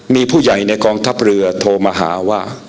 มีผู้ใหญ่ในกองทัพเรือโทรมาหาว่า